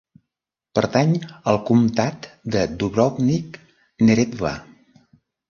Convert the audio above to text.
Pertany al comtat de Dubrovnik-Neretva.